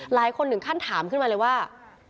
หลายคนถึงขั้นถามขึ้นมาเลยว่า